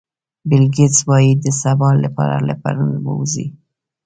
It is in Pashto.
بیل ګېټس وایي د سبا لپاره له پرون ووځئ.